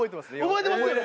覚えてますよね？